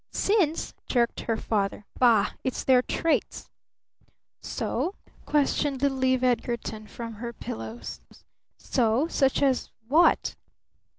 "Sins!" jerked her father. "Bah! It's their traits!" "So?" questioned little Eve Edgarton from her pillows. "So? Such as what?"